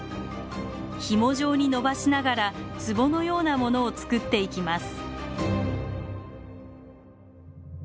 ひも状にのばしながらつぼのようなものを作っていきます。